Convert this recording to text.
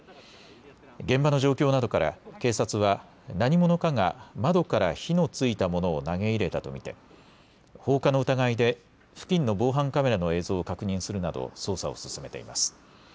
現場の状況などから警察は何者かが窓から火のついたものを投げ入れたと見て放火の疑いで付近の防犯カメラの映像を確認するなど捜査を進めています。